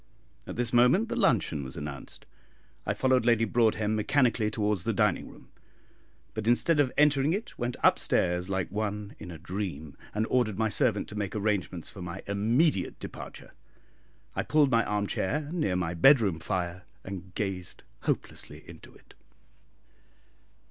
At this moment the luncheon was announced. I followed Lady Broadhem mechanically towards the dining room, but instead of entering it went up stairs like one in a dream, and ordered my servant to make arrangements for my immediate departure. I pulled an arm chair near my bedroom fire, and gazed hopelessly into it.